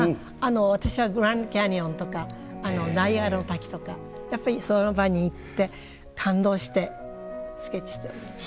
私はグランドキャニオンとかナイアガラの滝とかやっぱりその場に行って感動してスケッチしております。